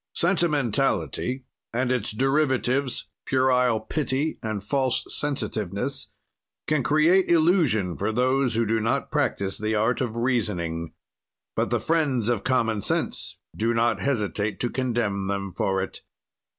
"Sentimentality and its derivatives, puerile pity and false sensitiveness, can create illusion for those who do not practise the art of reasoning, but the friends of common sense do not hesitate to condemn them for it.